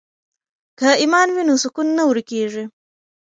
که ایمان وي نو سکون نه ورکیږي.